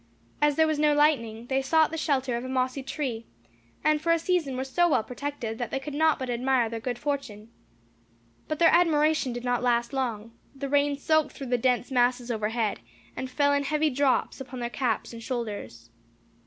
As there was no lightning, they sought the shelter of a mossy tree, and for a season were so well protected that they could not but admire their good fortune. But their admiration did not last long; the rain soaked through the dense masses over head, and fell in heavy drops upon their caps and shoulders.